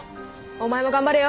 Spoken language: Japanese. お前も頑張れよ。